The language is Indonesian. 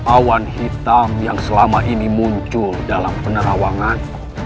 awan hitam yang selama ini muncul dalam penerawangan